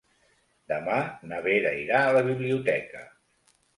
Demà na Vera irà a la biblioteca.